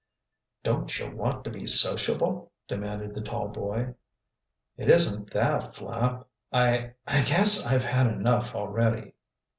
"Don't you want to be sociable?" demanded the tall boy. "It isn't that, Flapp. I I guess I've had enough already."